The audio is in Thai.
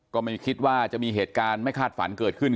ก็ไม่คิดว่าจะมีเหตุการณ์ไม่คาดฝันเกิดขึ้น